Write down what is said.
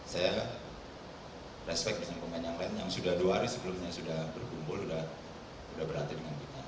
saya respect dengan pemain yang lain yang sudah dua hari sebelumnya sudah berkumpul sudah berlatih dengan kita